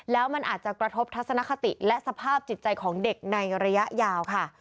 แล้วมันอาจจะกระทบทัศนคติและสภาพจิตใจของเด็กในระยะยาวค่ะ